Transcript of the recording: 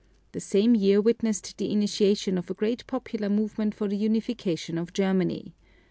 The same year witnessed the initiation of a great popular movement for the unification of Germany.